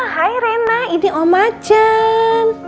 hai rena ini om achan